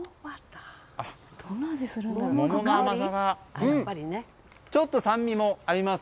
桃の甘さがちょっと酸味があります。